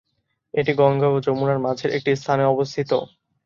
এটি গঙ্গা ও যমুনা মাঝের একটি স্থানে অবস্থিত।